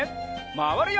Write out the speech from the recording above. まわるよ！